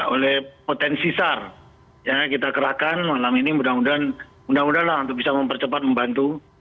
oleh potensi sar yang kita kerahkan malam ini mudah mudahan untuk bisa mempercepat membantu